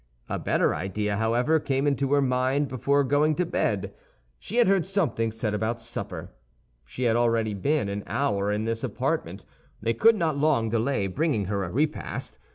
A better idea, however, came into her mind before going to bed. She had heard something said about supper. She had already been an hour in this apartment; they could not long delay bringing her a repast.